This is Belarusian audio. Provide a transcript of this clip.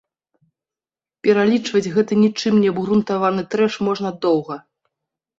Пералічваць гэты нічым не абгрунтаваны трэш можна доўга.